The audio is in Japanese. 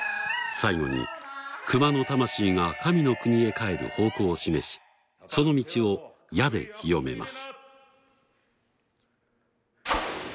最後に熊の魂が神の国へ帰る方向を示しその道を矢で清めます。